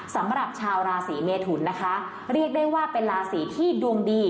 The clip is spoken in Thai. สำหรับชาวราศีเมทุนนะคะเรียกได้ว่าเป็นราศีที่ดวงดี